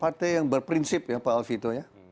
partai yang berprinsip ya pak alfito